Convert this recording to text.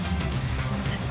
すいません。